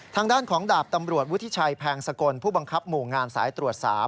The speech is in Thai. ทางด้านของดาบตำรวจวุฒิชัยแพงสกลผู้บังคับหมู่งานสายตรวจ๓